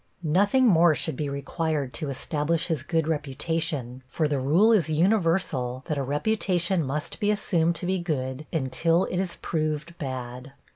Nothing more should be required to establish his good reputation, for the rule is universal that a reputation must be assumed to be good until it is proved bad.